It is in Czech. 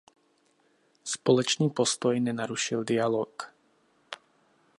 Společný postoj nenarušil dialog.